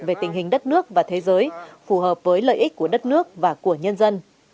về tình hình đất nước và thế giới phù hợp với lợi ích của đất nước và của nhân dân